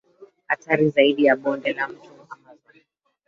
hatari zaidi ya Bonde la Mto Amazon